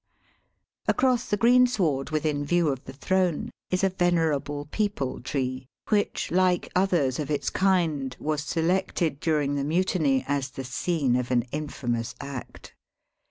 Across the greensward, within view of tha throne, is a venerable peepul tree, which, like others of its kind, was selected during the mutiny as the scene of an infamous act.